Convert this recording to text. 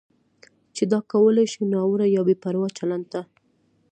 چې دا کولی شي ناوړه یا بې پروا چلند ته